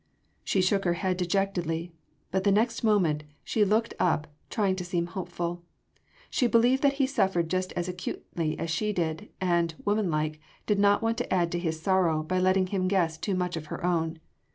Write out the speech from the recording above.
She shook her head dejectedly. But the next moment she looked up trying to seem hopeful. She believed that he suffered just as acutely as she did, and, womanlike, did not want to add to his sorrow by letting him guess too much of her own.